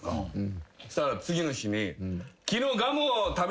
そしたら次の日に。